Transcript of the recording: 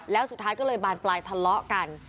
แล้วสุดท้ายก็เลยบานปลายทะเลาะกัน